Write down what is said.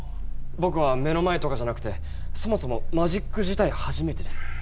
僕は目の前とかじゃなくてそもそもマジック自体初めてです。